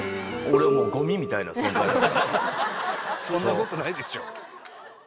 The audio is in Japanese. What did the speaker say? そんなことないでしょ。